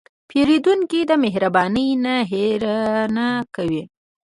پیرودونکی د مهربانۍ نه هېره نه کوي.